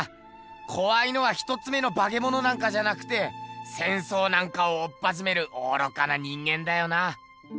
こわいのは一つ目のバケモノなんかじゃなくて戦争なんかをおっぱじめる愚かな人間だよな。